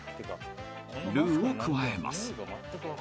［ルウを加えます］